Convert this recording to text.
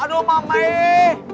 aduh mama eh